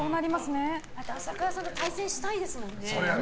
朝倉さんと対戦したいですもんね。